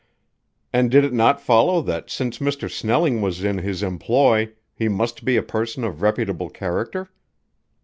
And did it not follow that since Mr. Snelling was in his employ he must be a person of reputable character?